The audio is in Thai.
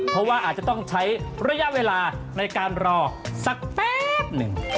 เพราะว่าอาจจะต้องใช้ระยะเวลาในการรอสักแป๊บหนึ่ง